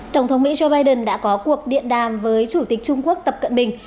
tổng thống mỹ joe biden đã có cuộc điện đàm với chủ tịch trung quốc tập cận bình